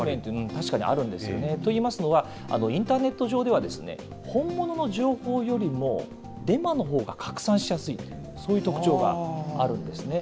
確かにあるんですよね。といいますのは、インターネット上では本物の情報よりも、デマのほうが拡散しやすいというそういう特徴があるんですね。